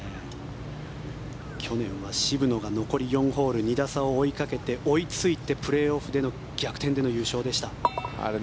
去年は渋野が残り４ホール２打差を追いかけて追いついて、プレーオフでの逆転での優勝でした。